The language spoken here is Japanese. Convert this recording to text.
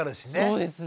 そうですね。